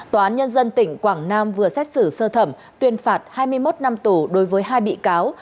tòa án nhân dân tỉnh quảng nam vừa xét xử sơ thẩm tuyên phạt hai mươi một năm tù đối với hai bị cáo